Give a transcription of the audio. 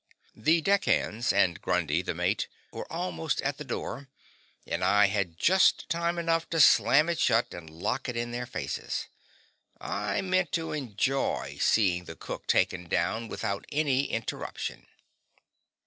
The deckhands and Grundy, the mate, were almost at the door, and I had just time enough to slam it shut and lock it in their faces. I meant to enjoy seeing the cook taken down without any interruption.